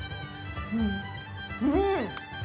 うん。